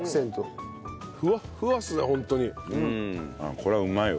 これはうまいわ。